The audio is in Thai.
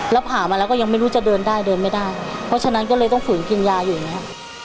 แล้วผ่ามาแล้วก็ยังไม่รู้จะเดินได้เดินไม่ได้เพราะฉะนั้นก็เลยต้องฝืนกินยาอยู่นะฮะ